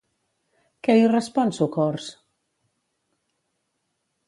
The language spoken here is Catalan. Què li respon Socors?